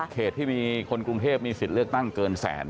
ที่มีคนกรุงเทพมีสิทธิ์เลือกตั้งเกินแสน